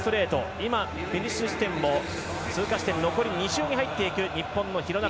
今、フィニッシュ地点も通過して残り２周に入っていく日本の廣中。